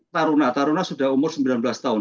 taruna taruna sudah umur sembilan belas tahun